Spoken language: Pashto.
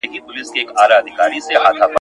په تورونو کي سل ګونه تپېدله ,